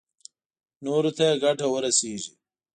نورو ته يې ګټه ورسېږي.